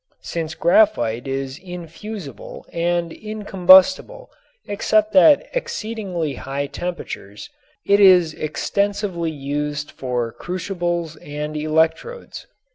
Since graphite is infusible and incombustible except at exceedingly high temperatures, it is extensively used for crucibles and electrodes.